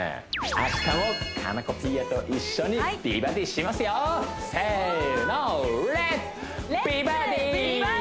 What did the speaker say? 明日も佳菜子ピーヤと一緒に美バディしますよせーのレッツ！